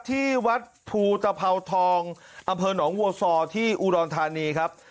ที่วัดภูตภาวทองอำเภอหนองวัวซอที่อุดรธานีครับ